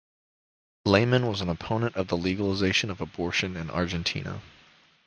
Lehmann was an opponent of the legalization of abortion in Argentina.